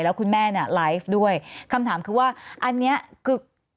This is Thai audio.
แล้วคุณแม่เนี่ยไลฟ์ด้วยคำถามคือว่าอันนี้คือ